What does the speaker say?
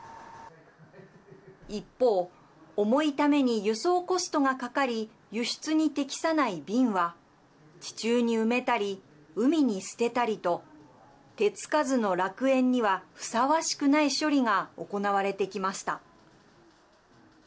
一方、重いために輸送コストがかかり輸出に適さない瓶は地中に埋めたり、海に捨てたりと手つかずの楽園にはふさわしくない処理が行われてきました。